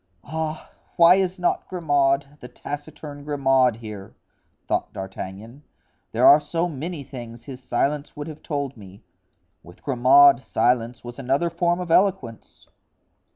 "Ah! why is not Grimaud, the taciturn Grimaud, here?" thought D'Artagnan, "there are so many things his silence would have told me; with Grimaud silence was another form of eloquence!"